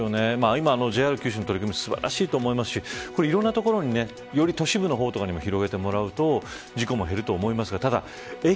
今、ＪＲ九州の取り組み素晴らしいと思いますしいろんな所により都市部の方にも広げてもらえると事故も減ると思います。